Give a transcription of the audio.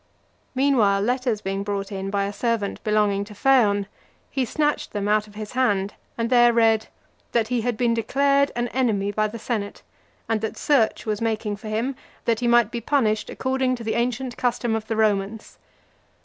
Meanwhile, letters being brought in by a servant belonging to Phaon, he snatched them out of his hand, and there read, "That he had been declared an enemy by the senate, and that search was making for him, that he might be punished according to the ancient custom of the Romans."